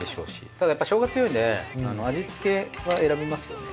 ただやっぱりしょうが強いので味付けは選びますけどね。